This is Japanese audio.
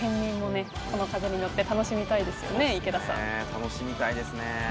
楽しみたいですね。